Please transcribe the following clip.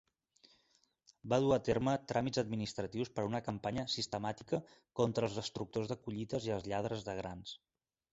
Va dur a terme tràmits administratius per a una campanya "sistemàtica" "contra els destructors de collites i els lladres de grans".